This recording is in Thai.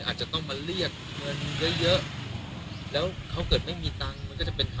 อาจจะต้องมาเรียกเงินเยอะเยอะแล้วเขาเกิดไม่มีตังค์